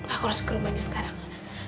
aku harus ke rumah ini sekarang